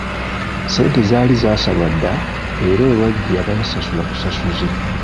Ssente zaali zasalwa dda era olwajja baasasula busasuzi.